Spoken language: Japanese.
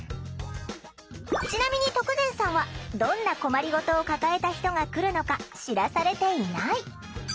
ちなみに徳善さんはどんな困りごとを抱えた人が来るのか知らされていない。